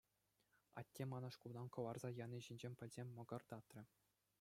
Атте мана шкултан кӑларса яни ҫинчен пӗлсен мӑкӑртатрӗ.